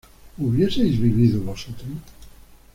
¿hubieseis vivido vosotros?